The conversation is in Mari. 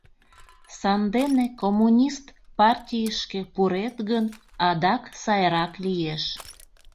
Сандене Коммунист партийышке пурет гын, адак сайрак лиеш.